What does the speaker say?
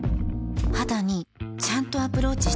肌にちゃんとアプローチしてる感覚